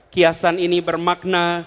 kiasan ini bermakna